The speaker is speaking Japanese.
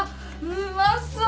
うまそう。